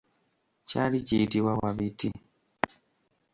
Kyali kiyitibwa Wabiti.